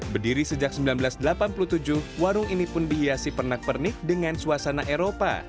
berdiri sejak seribu sembilan ratus delapan puluh tujuh warung ini pun dihiasi pernak pernik dengan suasana eropa